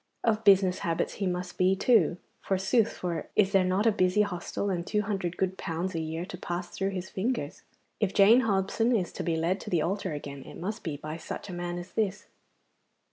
Of business habits he must be, too, forsooth, for is there not a busy hostel and two hundred good pounds a year to pass through his fingers? If Jane Hobson is to be led to the altar again it must be by such a man as this.